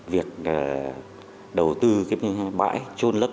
việc đầu tư cái bãi trôn lớp